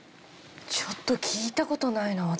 ちょっと聞いた事ないな私は。